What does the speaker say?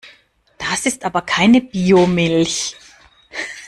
Das ist aber keine Biomilch!